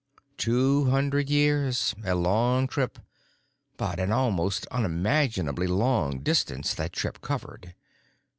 Two hundred years—a long trip, but an almost unimaginably long distance that trip covered.